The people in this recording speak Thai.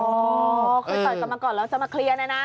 เคยต่อยกันมาก่อนแล้วจะมาเคลียร์นะนะ